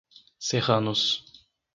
Serranos